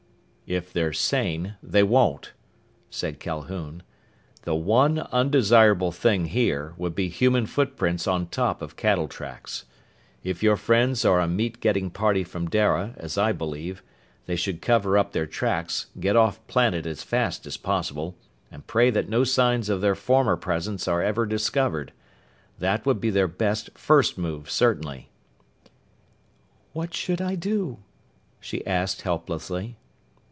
"If they're sane, they won't," said Calhoun. "The one undesirable thing, here, would be human footprints on top of cattle tracks. If your friends are a meat getting party from Dara, as I believe, they should cover up their tracks, get off planet as fast as possible, and pray that no signs of their former presence are ever discovered. That would be their best first move, certainly!" "What should I do?" she asked helplessly.